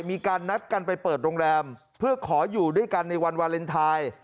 มีการนัดกันไปเปิดโรงแรมเพื่อขออยู่ด้วยกันในวันวาเลนไทย